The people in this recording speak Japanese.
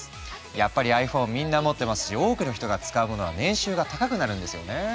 やっぱりｉＰｈｏｎｅみんな持ってますし多くの人が使うものは年収が高くなるんですよね。